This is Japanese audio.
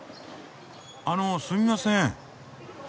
あのすみません。